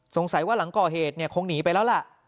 สงสัยว่าหลังก่อเหตุเนี่ยคงหนีไปแล้วล่ะ